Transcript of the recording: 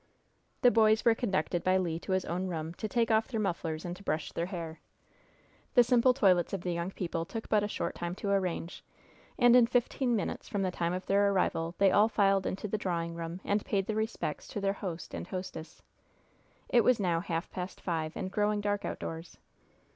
The boys were conducted by Le to his own room, to take off their mufflers and to brush their hair. The simple toilets of the young people took but a short time to arrange, and in fifteen minutes from the time of their arrival they all filed into the drawing room and paid their respects to their host and hostess. It was now half past five, and growing dark outdoors.